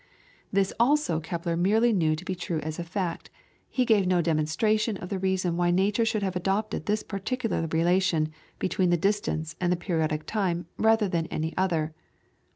This also Kepler merely knew to be true as a fact, he gave no demonstration of the reason why nature should have adopted this particular relation between the distance and the periodic time rather than any other.